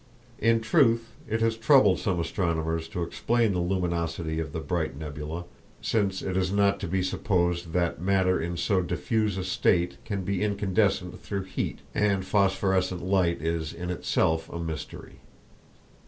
In truth, it has troubled some astronomers to explain the luminosity of the bright nebulæ, since it is not to be supposed that matter in so diffuse a state can be incandescent through heat, and phosphorescent light is in itself a mystery.